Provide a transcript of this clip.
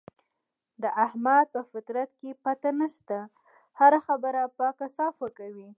د احمد په فطرت کې پټه نشته، هره خبره پاکه صافه کوي.